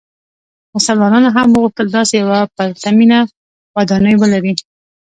مسلمانانو هم وغوښتل داسې یوه پرتمینه ودانۍ ولري.